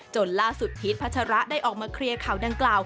จนล่าสุดพีชพัชระได้ออกมาเคลียร์ข่าวดังกล่าว